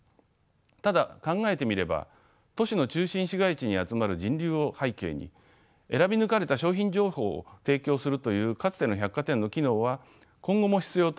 ただ考えてみれば都市の中心市街地に集まる人流を背景に選び抜かれた商品情報を提供するというかつての百貨店の機能は今後も必要とされています。